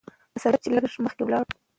پۀ سړک چې لږ مخکښې لاړو